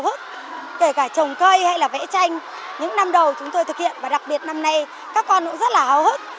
các em rất là hào hức kể cả trồng cây hay là vẽ tranh những năm đầu chúng tôi thực hiện và đặc biệt năm nay các con cũng rất là hào hức